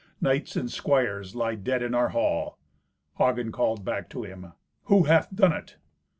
Knights and squires lie dead in our hall." Hagen called back to him, "Who hath done it?"